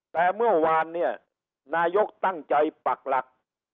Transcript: แต่เมื่อวานเนี่ยนายกตั้งใจปักหลัก